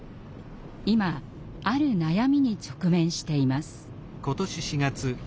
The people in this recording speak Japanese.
今ある悩みに直面しています。